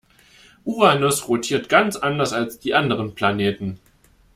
Uranus rotiert ganz anders als die anderen Planeten.